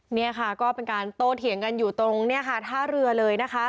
เนี่ยค่ะก็เป็นการโตเถียงกันอยู่ตรงเนี่ยค่ะท่าเรือเลยนะคะ